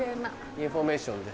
インフォメーションね。